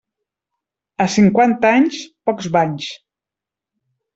A cinquanta anys, pocs banys.